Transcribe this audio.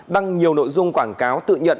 đăng nhiều nội dung quảng cáo tự nhận